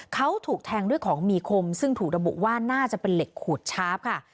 เขาถูกแทงด้วยของมีคมซึ่งถูกระบุว่าน่าจะเป็นเหล็กขูดชาร์ฟค่ะ